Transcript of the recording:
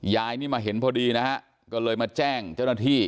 ยายนี่มาเห็นพอดีนะฮะก็เลยมาแจ้งเจ้าหน้าที่